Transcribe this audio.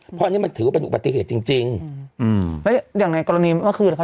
เพราะอันนี้มันถือว่าเป็นอุบัติเหตุจริงจริงอืมแล้วอย่างในกรณีเมื่อคืนนะคะ